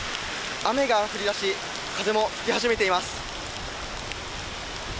雨が降り出し風も吹き始めています。